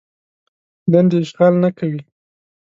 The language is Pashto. دندې اشغال نه کوي.